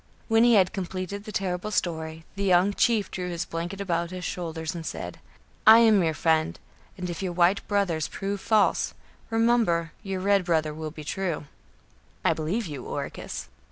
When he had completed the terrible story, the young chief drew his blanket about his shoulders and said: "I am your friend, and if your white brothers prove false, remember your red brother will be true." "I believe you, Oracus."